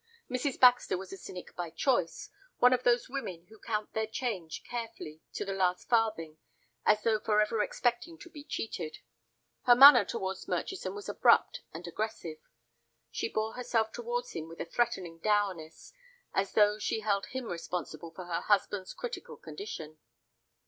Mrs. Baxter was a cynic by choice, one of those women who count their change carefully to the last farthing as though forever expecting to be cheated. Her manner towards Murchison was abrupt and aggressive. She bore herself towards him with a threatening dourness, as though she held him responsible for her husband's critical condition.